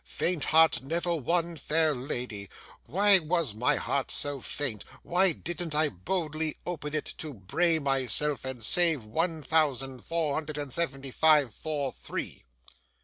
"Faint heart never won fair lady." Why was my heart so faint? Why didn't I boldly open it to Bray myself, and save one thousand four hundred and seventy five, four, three?